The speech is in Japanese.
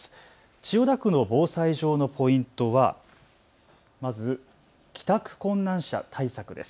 千代田区の防災上のポイントはまず帰宅困難者対策です。